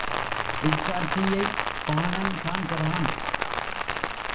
இக்காட்சியைப் பாணன் காண்கின்றான்.